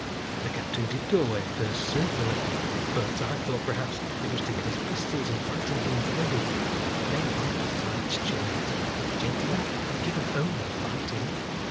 "The Captain did go away first, certainly; but I thought perhaps it was to get his pistols and fighting things ready." "They won't fight, Jeannette. Gentlemen have given over fighting."